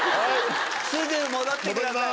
すぐ戻ってください。